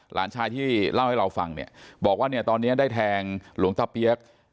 หลานชายที่เล่าให้เราฟังเนี่ยบอกว่าเนี่ยตอนนี้ได้แทงหลวงตาเปี๊ยก